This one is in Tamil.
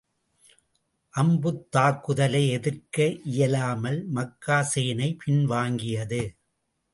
அம்புத் தாக்குதலை எதிர்க்க இயலாமல், மக்கா சேனை பின்வாங்கியது.